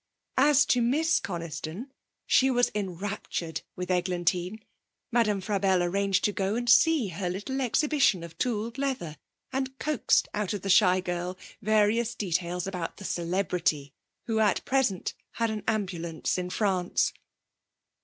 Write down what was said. As to Miss Coniston, she was enraptured with Eglantine. Madame Frabelle arranged to go and see her little exhibition of tooled leather, and coaxed out of the shy girl various details about the celebrity, who at present had an ambulance in France.